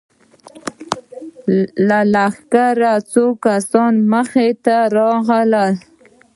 له لښکره څو کسان مخې ته راغلل.